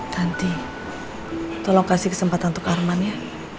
nanti tolong kasih kesempatan untuk arman ya